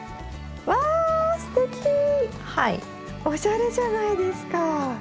おしゃれじゃないですか！